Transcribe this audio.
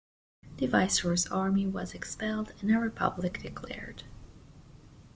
The viceroy's army was expelled and a Republic declared.